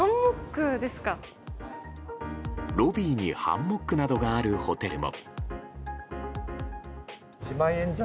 ロビーにハンモックなどがあるホテルも。